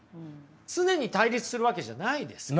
常に対立するわけじゃないですから。